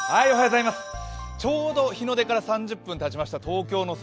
ちょうど日の出から３０分たちました東京の空